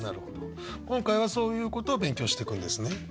今回はそういうことを勉強していくんですね。